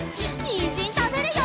にんじんたべるよ！